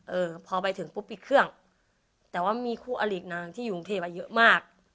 เออพอไปถึงปุ๊บปิดเครื่องแต่ว่ามีคู่อลิกนางที่อยู่กรุงเทพอ่ะเยอะมาก